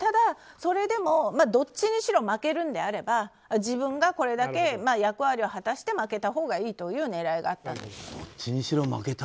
どっちにしろ負けるのであれば自分がこれだけ役割を果たして負けたほうがいいという狙いがあったんだと思います。